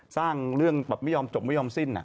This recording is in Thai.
สร้างเรื่องแบบไม่ยอมจบไม่ยอมสิ้น